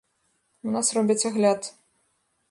У нас робяць агляд.